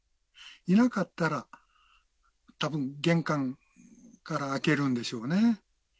いなかったら、たぶん、玄関から開けるんでしょうね。